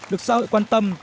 được xã hội quan tâm